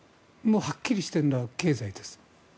はっきりしているのは経済です。